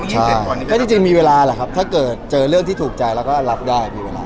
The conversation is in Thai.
ใช่ก็จริงมีเวลาแหละครับถ้าเกิดเจอเรื่องที่ถูกใจแล้วก็รับได้มีเวลา